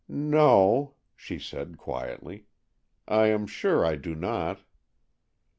"No," she said quietly; "I am sure I do not."